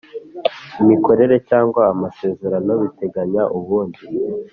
Imikorere cyangwa amasezerano biteganya ubundi